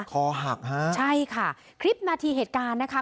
คอหักฮะใช่ค่ะคลิปนาทีเหตุการณ์นะคะ